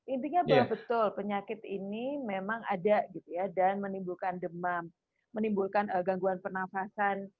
intinya betul penyakit ini memang ada gitu ya dan menimbulkan demam menimbulkan gangguan pernafasan